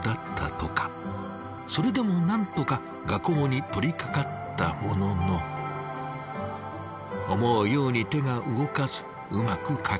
それでもなんとか画稿に取りかかったものの思うように手が動かずうまく描けない。